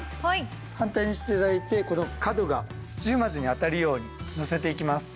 反対にして頂いてこの角が土踏まずに当たるようにのせていきます。